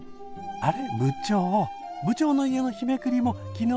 あれ？